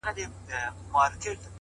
هغه به دروند ساتي چي څوک یې په عزت کوي”